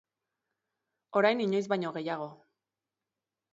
Orain inoiz baino gehiago.